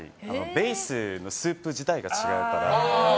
ベースのスープ自体が違うから。